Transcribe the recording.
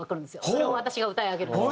それを私が歌い上げるんです。